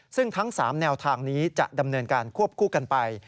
ซึ่งทั้ง๓แนวทางนี้จะดำเนินการควบคู่กันไป